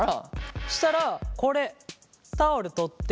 したらこれタオル取って。